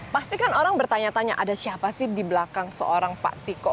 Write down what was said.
pasti kan orang bertanya tanya ada siapa sih di belakang seorang pak tiko